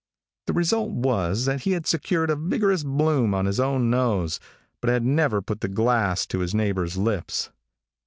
The result was that he had secured a vigorous bloom on his own nose, but had never put the glass to his neighbor's lips.